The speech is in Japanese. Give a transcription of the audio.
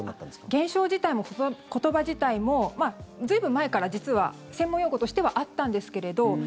現象自体も言葉自体も随分前から、実は専門用語としてはあったんですけれど